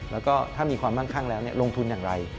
แล้วก็ถ้ามีความมั่งคั่งแล้วลงทุนอย่างไร